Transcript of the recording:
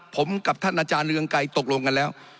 ผมกับท่านอาจารย์เรืองไกรตกลงกันแล้ว